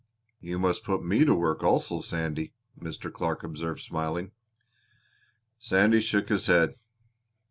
"You must put me to work also, Sandy," Mr. Clark observed, smiling. Sandy shook his head.